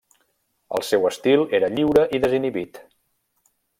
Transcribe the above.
El seu estil era lliure i desinhibit.